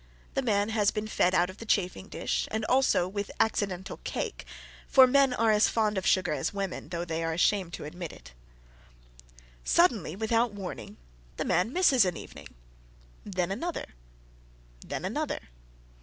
The man has been fed out of the chafing dish, and also with accidental cake, for men are as fond of sugar as women, though they are ashamed to admit it. Suddenly, without warning, the man misses an evening, then another, then another.